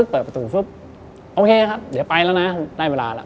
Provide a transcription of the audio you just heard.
เปิดประตูปุ๊บโอเคครับเดี๋ยวไปแล้วนะได้เวลาแล้ว